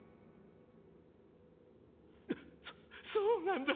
そっそうなんだ